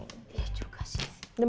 ya juga sih